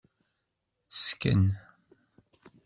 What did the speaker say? Sken.